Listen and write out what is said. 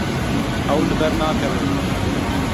Ew li ber nakevin.